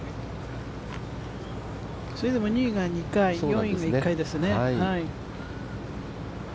それでも２位が２回、４位が１回ですね。